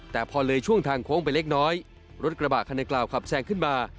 แต่พอเลยช่วงทางโค้งไปเล็กน้อยรถกระบะคันในกล่าวขับแซงขึ้นมา